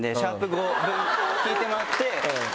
５分聴いてもらって。